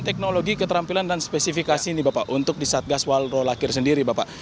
teknologi keterampilan dan spesifikasi ini bapak untuk di satgas walro lahir sendiri bapak